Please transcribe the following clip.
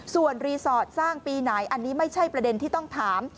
ส่วนรีสอร์ทสร้างปีไหนอันนี้ไม่ใช่ประเด็นที่ต้องถาม